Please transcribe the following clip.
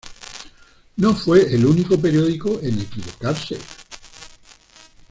No fue el único periódico en equivocarse.